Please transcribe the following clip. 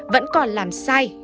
vẫn còn làm sai